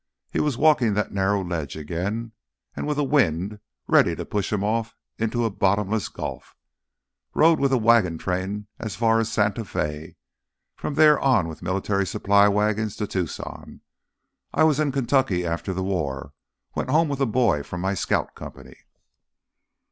He was walking that narrow ledge again, and with a wind ready to push him off into a bottomless gulf. "Rode with a wagon train as far as Santa Fe—from there on with military supply wagons to Tucson. I was in Kentucky after the war; went home with a boy from my scout company...."